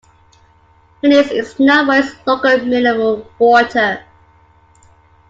Henniez is known for its local mineral water.